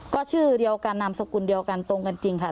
ก็ชื่อเดียวกันนามสกุลเดียวกันตรงกันจริงค่ะ